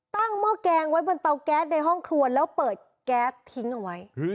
หม้อแกงไว้บนเตาแก๊สในห้องครัวแล้วเปิดแก๊สทิ้งเอาไว้